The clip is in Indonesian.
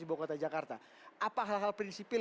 di bukau kota jakarta apa hal hal prinsipil